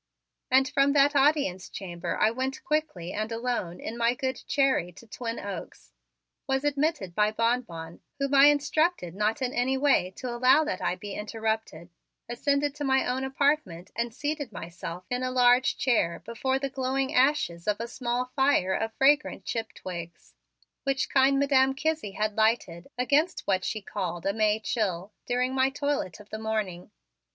And from that audience chamber I went quickly and alone in my good Cherry to Twin Oaks, was admitted by Bonbon, whom I instructed not in any way to allow that I be interrupted, ascended to my own apartment and seated myself in a large chair before the glowing ashes of a small fire of fragrant chip twigs, which kind Madam Kizzie had had lighted, against what she called a "May chill," during my toilet of the morning.